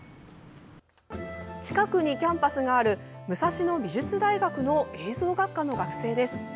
近くにキャンパスがある武蔵野美術大学の映像学科の学生です。